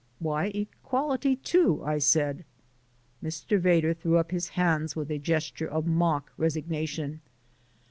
"Why, equality, too!" I said. Mr. Vedder threw up his hands up with a gesture of mock resignation.